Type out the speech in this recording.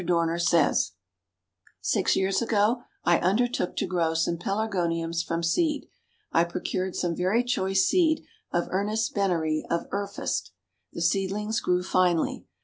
Dorner says: "Six years ago I undertook to grow some Pelargoniums from seed. I procured some very choice seed of Ernest Benary of Erfust. The seedlings grew finely.